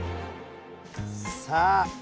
さあ